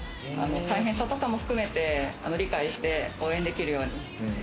大変さとかも含めて理解して応援できるように。